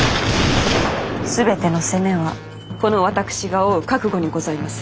全ての責めはこの私が負う覚悟にございます。